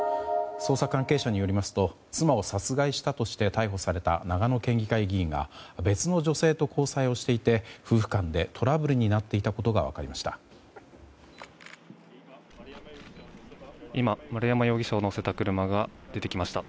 捜査関係者によりますと妻を殺害したとして逮捕された長野県議会議員が別の女性と交際をしていて夫婦間でトラブルになっていたことが分かりました。